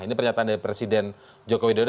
ini pernyataan dari presiden jokowi dodo